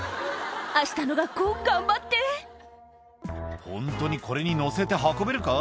明日の学校頑張って「ホントにこれに載せて運べるか？」